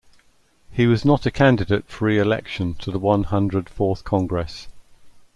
He was not a candidate for reelection to the One Hundred Fourth Congress.